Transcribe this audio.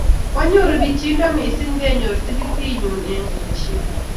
Kwanyoru bichindo mising' kenyor tikitit nyuu eng' keteshet